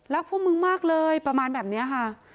พวกมึงมากเลยประมาณแบบนี้ค่ะ